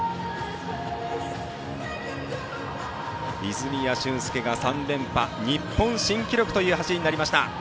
泉谷駿介が３連覇日本新記録という走りになりました。